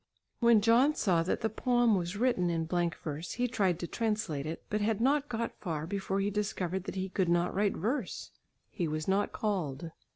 When John saw that the poem was written in blank verse he tried to translate it, but had not got far, before he discovered that he could not write verse. He was not "called."